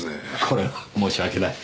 これは申し訳ない。